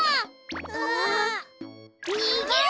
あ！にげろ！